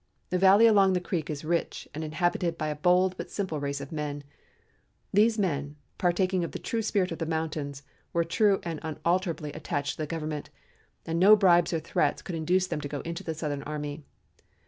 The valley along the creek is rich and inhabited by a bold but simple race of men. These men, partaking of the true spirit of the mountains, were true and unalterably attached to the Government, and no bribes or threats could induce them to go into the Southern army.